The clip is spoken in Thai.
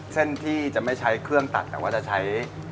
เส้นที่จะไม่ใช้เครื่องตัดแต่ว่าจะใช้